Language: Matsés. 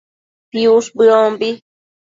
piush bëombi